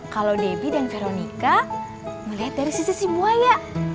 kalau debbie dan veronica melihat dari sisi si buaya